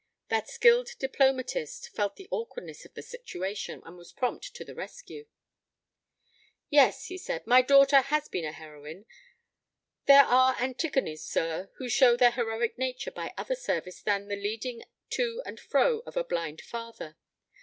That skilled diplomatist felt the awkwardness of the situation, and was prompt to the rescue. "Yes," he said, "my daughter has been a heroine. There are Antigones, sir, who show their heroic nature by other service than the leading to and fro of a blind father.